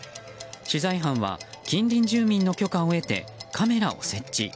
取材班は、近隣住民の許可を得てカメラを設置。